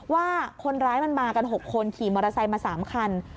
ว่าคนร้ายมันมากัน๖คนขี่มอเตอร์ไซค์มา๓คัน